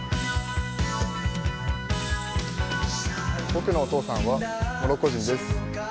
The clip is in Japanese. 僕のお父さんはモロッコ人です。